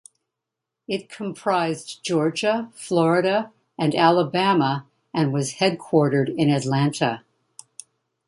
It comprised Georgia, Florida and Alabama and was headquartered in Atlanta.